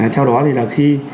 theo đó thì là khi